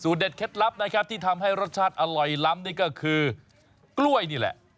เด็ดเคล็ดลับนะครับที่ทำให้รสชาติอร่อยล้ำนี่ก็คือกล้วยนี่แหละ